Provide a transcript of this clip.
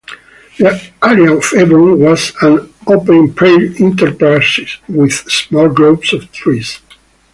The area of Hebron was an open prairie interspersed with small groves of trees.